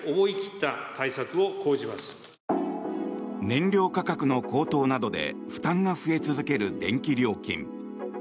燃料価格の高騰などで負担が増え続ける電気料金。